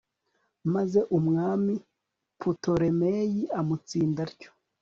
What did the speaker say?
maze umwami putolemeyi amutsinda atyo